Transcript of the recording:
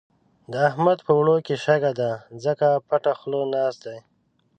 د احمد په اوړو کې شګه ده؛ ځکه پټه خوله ناست دی.